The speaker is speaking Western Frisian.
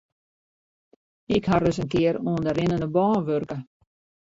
Ik ha ris in kear oan de rinnende bân wurke.